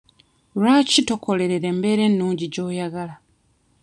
Lwaki tokolerera embeera ennungi gy'oyagala?